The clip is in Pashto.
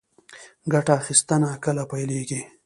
ګټه اخیستنه کله پیلیږي؟